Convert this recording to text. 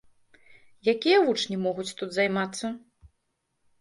Якія вучні могуць тут займацца?